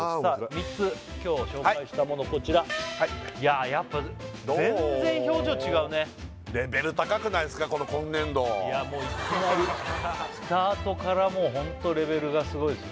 ３つ今日紹介したものこちらいやあやっぱ全然表情違うねレベル高くないですか今年度いやもういきなりスタートからもうホントレベルがすごいですね